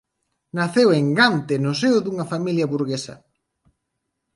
Naceu en Gante no seo dunha familia burguesa.